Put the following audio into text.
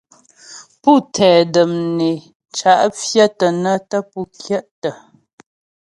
Pú tɛ də̀m né cǎ' pfyə̂tə nə́ tə́ pú kyə̂tə.